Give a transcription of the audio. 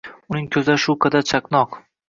Uning ko’zlari shu qadar chaqnoq